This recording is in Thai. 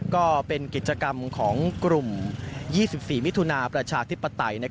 ก็เป็นกิจกรรมของกลุ่ม๒๔มิถุนาประชาธิปไตย